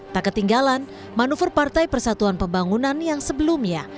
tak ketinggalan manuver partai persatuan pembangunan yang sebelumnya